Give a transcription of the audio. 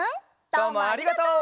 どうもありがとう！